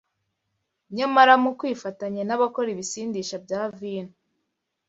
nyamara mu kwifatanya n’abakora ibisindisha bya vino,